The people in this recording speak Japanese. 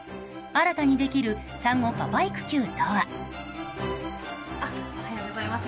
新たにできる産後パパ育休とは？